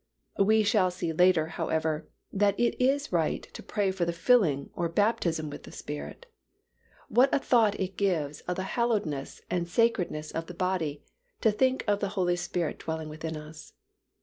We shall see later, however, that it is right to pray for the filling or baptism with the Spirit. What a thought it gives of the hallowedness and sacredness of the body, to think of the Holy Spirit dwelling within us.